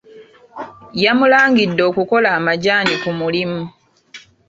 Yamulangide okukola amajaani ku mulimu.